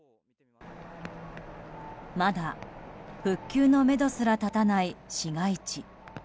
まだ復旧のめどすら立たない市街地。